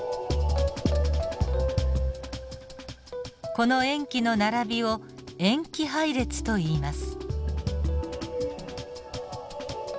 この塩基の並びを塩基配列といいます。